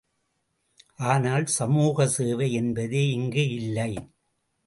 ஆனால் சமூக சேவை என்பதே இங்கு இல்லை.